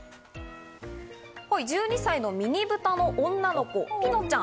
１２歳のミニブタの女の子、ピノちゃん。